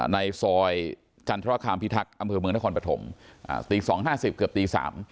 ในซอยจันทรคามพิทักษ์อำเภอเมืองนครปฐมตี๒๕๐เกือบตี๓